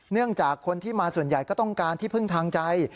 เนื่องจากคนที่มาส่วนใหญ่ก็ต้องการที่พึ่งทางใจ